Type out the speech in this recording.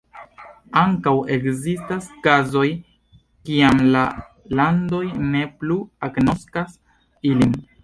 Ankaŭ ekzistas kazoj kiam la landoj ne plu agnoskas ilin.